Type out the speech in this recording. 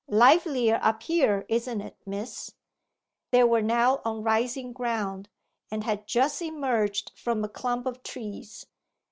Livelier up here, isn't it, miss?' They were now on rising ground, and had just emerged from a clump of trees.